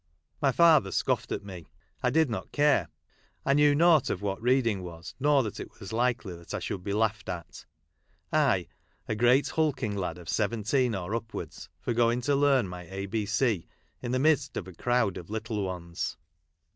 My father scoffed at me ; I did not care. I knew nought of what reading was, nor that it was likely that I should be laughed at ; I, a great hulking lad of seventeen or upwards, for going to learn my A, B, C, in the midst of a crowd of little ones.